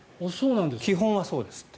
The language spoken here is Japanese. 基本はそうですって。